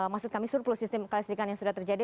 maksud kami surplus sistem kelistrikan yang sudah terjadi